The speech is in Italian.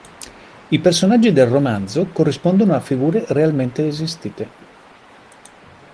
I personaggi del romanzo corrispondono a figure realmente esistite.